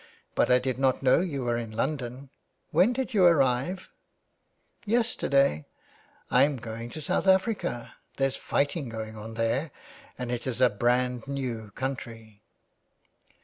But I did not know you were in London. When did you arrive ?"" Yesterday. Fm going to South Africa. There's fighting going on there, and it is a brand new country."